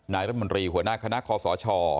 นายรัฐมนตรีหัวหน้าคณะคอสช